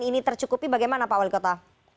ini tercukupi bagaimana pak wali kota